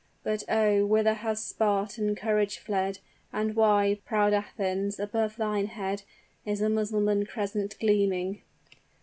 "But oh! whither has Spartan courage fled? And why, proud Athens! above thine head Is the Mussulman crescent gleaming?